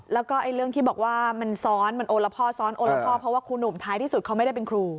แล้วก็เรื่องที่บอกว่ามันซ้อนมันโอละพ่อซ้อนโอละพ่อเพราะว่าครูหนุ่มท้ายที่สุดเขาไม่ได้เป็นครู